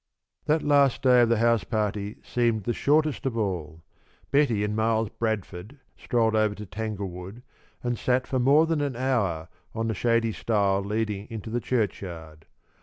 That last day of the house party seemed the shortest of all. Betty and Miles Bradford strolled over to Tanglewood and sat for more than an hour on the shady stile leading into the churchyard.